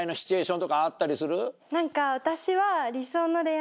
何か私は。